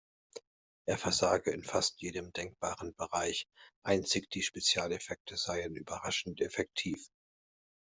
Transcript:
Er versage in fast jedem „denkbaren“ Bereich, einzig die Spezialeffekte seien „überraschend effektiv“.